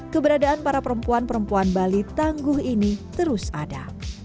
keberadaan para perempuan perempuan bali tangguh ini terus ada